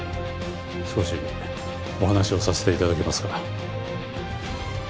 少しお話をさせて頂けますか？